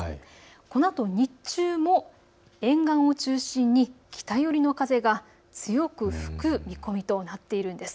このあと日中も沿岸を中心に北寄りの風が強く吹く見込みとなっているんです。